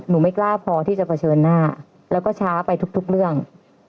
ไม่กล้าพอที่จะเผชิญหน้าแล้วก็ช้าไปทุกเรื่อง